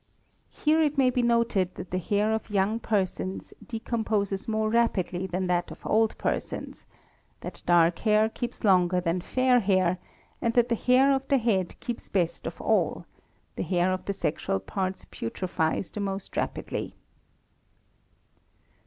Here it may be noted that the hair of young _ persons decomposes more rapidly than that of old persons, that dark hair _keeps longer than fair hair, and that the hair of the head keeps best of all; the hair of the sexual parts putrefies the most rapidly.